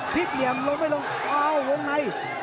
ภิกเหลี่ยมลงเอ้าวงใน